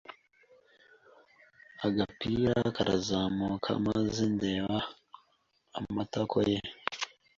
agapira karazamuka, maze ndeba amatako ye,